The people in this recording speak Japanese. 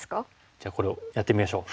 じゃあこれをやってみましょう。